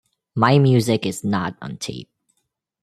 My music is not on tape.